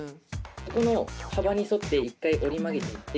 ここの幅に沿って一回折り曲げていって。